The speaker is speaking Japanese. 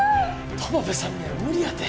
友部さんには無理やて。